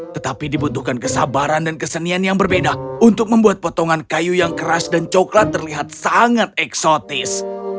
tetapi dibutuhkan kesabaran dan kesenian yang berbeda untuk membuat potongan kayu yang keras dan coklat terlihat sangat eksotis